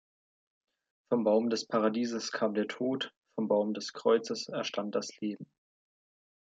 Vom Baum des Paradieses kam der Tod, vom Baum des Kreuzes erstand das Leben.